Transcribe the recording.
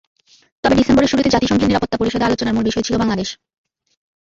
তবে ডিসেম্বরের শুরুতে জাতিসংঘের নিরাপত্তা পরিষদে আলোচনার মূল বিষয় ছিল বাংলাদেশ।